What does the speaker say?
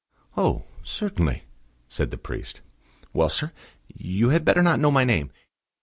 "Oh! certainly," said the priest. "Well, sir, you had better not know my name.